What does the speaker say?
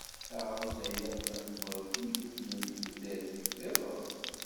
Taɣawsa akk tamezwarut i ibeddlen deg tudert-iw d iḍes.